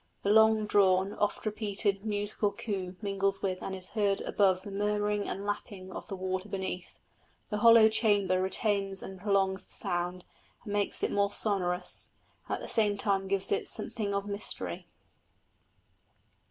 The long drawn, oft repeated musical coo mingles with and is heard above the murmuring and lapping of the water beneath; the hollow chamber retains and prolongs the sound, and makes it more sonorous, and at the same time gives it something of mystery.